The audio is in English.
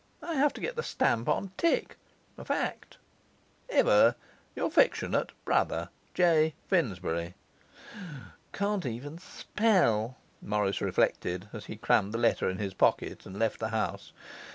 I have to get the stamp on tick. A fact. Ever your affte. Brother, J. FINSBURY 'Can't even spell!' Morris reflected, as he crammed the letter in his pocket, and left the house.